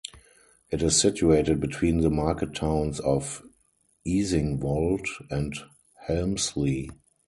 It is situated between the market towns of Easingwold and Helmsley.